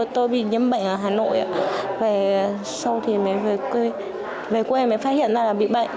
tôi bị nhiễm bệnh ở hà nội về quê mới phát hiện ra là bị bệnh